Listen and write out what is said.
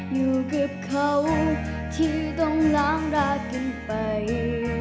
อยู่กับเขาที่ต้องล้างรักกันไป